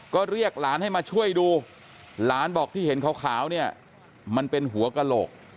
ก็เรียกหลานให้มาช่วยดูหลานบอกที่เห็นขาวเนี่ยมันเป็นหัวกระโหลก